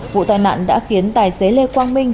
vụ tai nạn đã khiến tài xế lê quang minh